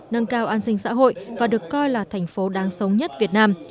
nâng cao an sinh xã hội và được coi là thành phố đáng sống nhất việt nam